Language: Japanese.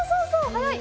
早い。